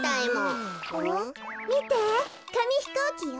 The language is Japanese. みてかみひこうきよ。